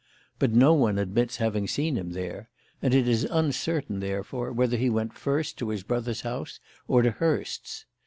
But no one admits having seen him there; and it is uncertain, therefore, whether he went first to his brother's house or to Hurst's.